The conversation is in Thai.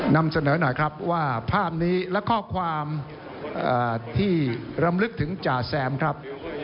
นำเสนอหน่อยครับว่าภาพนี้และข้อความที่รำลึกถึงจ่าแซมครับ